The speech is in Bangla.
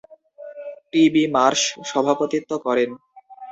টি. বি. মার্শ সভাপতিত্ব করেন।